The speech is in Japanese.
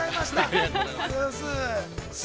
◆ありがとうございます。